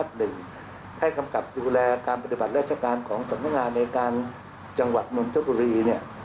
ให้กำกับดูแลการปฏิบัติราชการของสำนักงานในการจังหวัดนนทบุรี